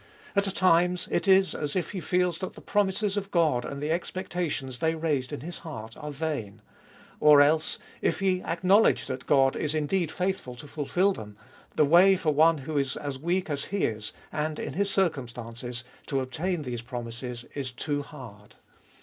At times it is as if he feels that the promises of God, and the expectations they raised in his heart, are vain. Or else, if he acknowledge that God is indeed faithful to fulfil them, the way for one who is as weak as he is, and in his circumstances, to obtain these promises is too hard.